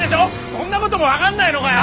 そんなことも分かんないのかよ！